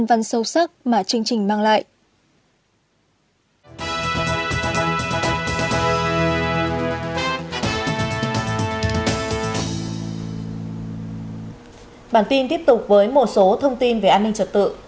bản tin tiếp tục với một số thông tin về an ninh trật tự